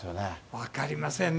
分かりませんね。